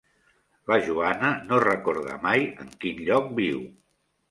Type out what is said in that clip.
La Joana no recorda mai en quin lloc viu.